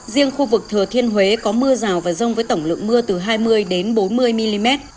riêng khu vực thừa thiên huế có mưa rào và rông với tổng lượng mưa từ hai mươi bốn mươi mm